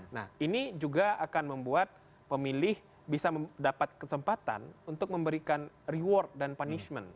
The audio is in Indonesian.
nah ini juga akan membuat pemilih bisa mendapat kesempatan untuk memberikan reward dan punishment